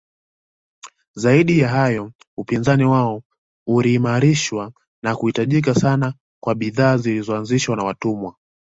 Zaidi ya hayo upinzani wao uliimarishwa na kuhitajika sana kwa bidhaa zilizozalishwa na watumwa